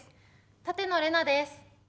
舘野伶奈です。